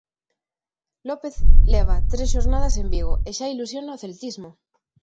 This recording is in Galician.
López leva tres xornadas en Vigo e xa ilusiona o celtismo.